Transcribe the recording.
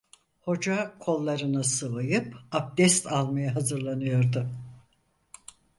Hoca kollarını sıvayıp abdest almaya hazırlanıyordu.